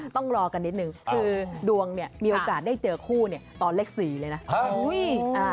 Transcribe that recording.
ต้องรอกันนิดนึงคือดวงเนี่ยมีโอกาสได้เจอคู่ตอนเลข๔เลยนะ